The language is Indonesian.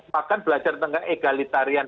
bahkan belajar tentang egalitarisme